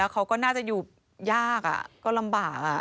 เขาก็น่าจะอยู่ยากก็ลำบาก